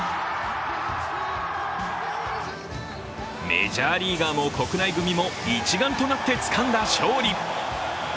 メジャーリーガーも国内組も一丸となってつかんだ勝利。